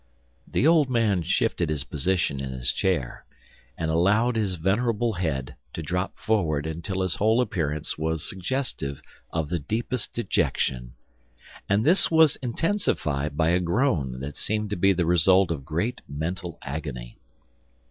The old man shifted his position in his chair and allowed his venerable head to drop forward until his whole appearance was suggestive of the deepest dejection; and this was intensified by a groan that seemed to be the result of great mental agony.